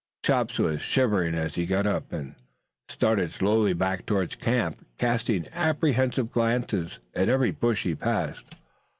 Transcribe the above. Chops was shivering as he got up and started slowly back towards camp, casting apprehensive glances at every bush he passed.